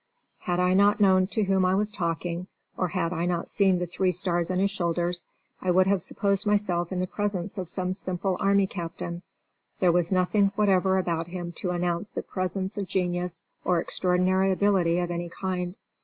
Had I not known to whom I was talking, or had I not seen the three stars on his shoulders, I would have supposed myself in the presence of some simple army captain. There was nothing whatever about him to announce the presence of genius or extraordinary ability of any kind.